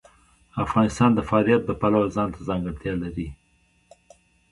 افغانستان د فاریاب د پلوه ځانته ځانګړتیا لري.